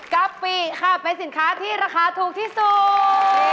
กะปิค่ะเป็นสินค้าที่ราคาถูกที่สุด